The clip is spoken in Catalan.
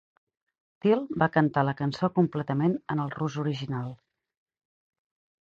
Till va cantar la cançó completament en el rus original.